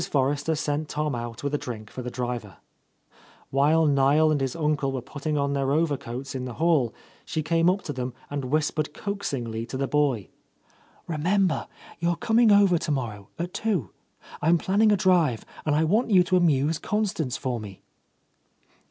Forrester sent Tom out with a drink for the driver. While Niel A Lost Lady and his uncle were putting on their overcoats in the hall, she came up to them and whispered coaxingly to the boy, "Remember, you are com ing over tomorrow, at two? I am planning a drive, and I want you to amuse Constance for me."